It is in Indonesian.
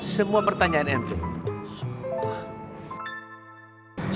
semua pertanyaan yang depan